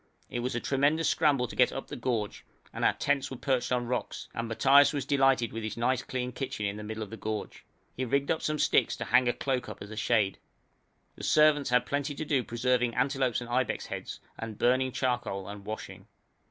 It was a tremendous scramble to get up the gorge, and our tents were perched on rocks, and Matthaios was delighted with his nice clean kitchen in the middle of the gorge. He rigged up some sticks to hang a cloak up as a shade. The servants had plenty to do preserving antelopes and ibex heads, and burning charcoal and washing.